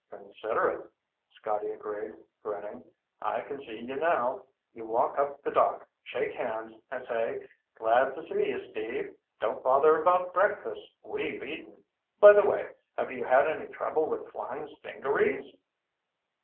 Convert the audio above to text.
"Considerate," Scotty agreed, grinning. "I can see you now. You walk up the dock, shake hands, and say, 'Glad to see you, Steve. Don't bother about breakfast. We've eaten. By the way, have you had any trouble with flying stingarees?'"